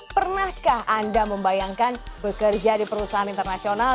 pernahkah anda membayangkan bekerja di perusahaan internasional